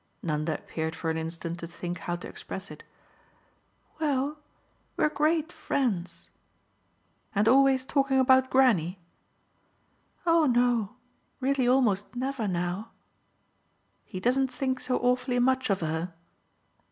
Nanda appeared for an instant to think how to express it. "Well, we're great friends." "And always talking about Granny?" "Oh no really almost never now." "He doesn't think so awfully much of her?"